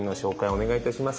お願いいたします。